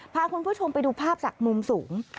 พาคุณผู้ชมไปดูภาพจากมุมสูง